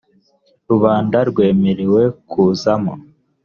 rubanda rwemerewe kuzamo